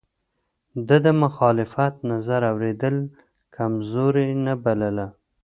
ده د مخالف نظر اورېدل کمزوري نه بلله.